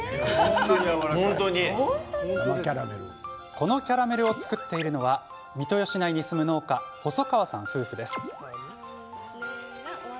このキャラメルを作っているのは三豊市内に住む農家細川さん夫婦です。